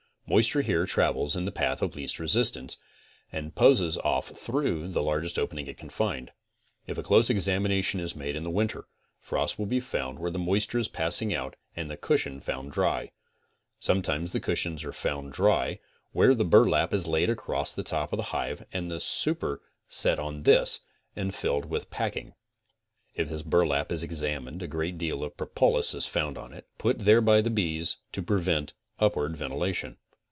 Moisture here travels in the path of least resistance and posses off through the largest opening it can find. Ifa close examination is made in the winter frost will be found where the moisture is passing out and the cushion found dry. Sometimes the cushions are found dry where the burlap is laid across the top of the hive and the super set on this and filled with packing. If this burlap is examined a great deal of propolis is found on it, put there by the bees to prevent upward ventilation.